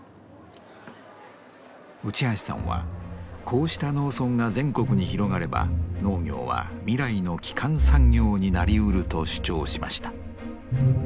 内橋さんはこうした農村が全国に広がれば農業は未来の基幹産業になりうると主張しました。